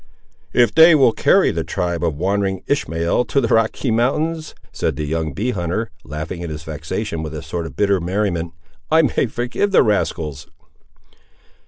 "If they will carry the tribe of wandering Ishmael to the Rocky Mountains," said the young bee hunter, laughing in his vexation with a sort of bitter merriment, "I may forgive the rascals."